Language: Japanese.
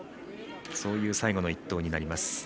そういう最後の１投になります。